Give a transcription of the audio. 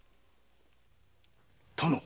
殿！